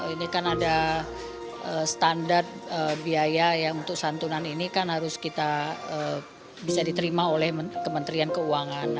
ini kan ada standar biaya yang untuk santunan ini kan harus kita bisa diterima oleh kementerian keuangan